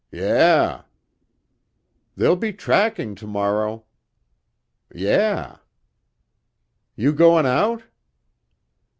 "Yeah." "There'll be tracking tomorrow." "Yeah." "You going out?"